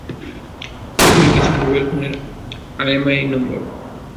এগুলো কিছু মোবাইল ফোনের আইএমইআই নম্বর।